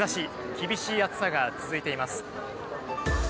厳しい暑さが続いています。